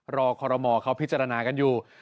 คอรมอเขาพิจารณากันอยู่